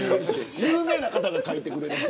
有名な方が書いてくれる。